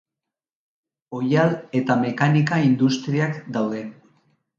Oihal eta mekanika industriak daude.